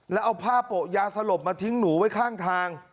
แล้วเอาผ้าโปะยาสลบมาทิ้งหนูไว้ข้างทาง